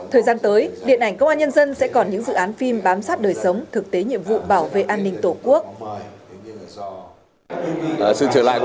thời gian tới điện ảnh công an nhân dân sẽ còn những dự án phim bám sát đời sống thực tế nhiệm vụ bảo vệ an ninh tổ quốc